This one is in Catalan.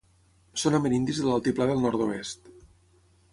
Són amerindis de l'altiplà del Nord-oest.